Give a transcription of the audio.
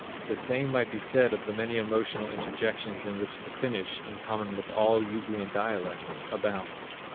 The same might be said of the many emotional interjections in which the Finnish, in common with all Ugrian dialects, abounds.